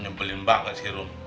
nyebelin banget sih rom